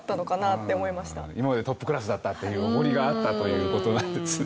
今までトップクラスだったっていうおごりがあったという事なんですね。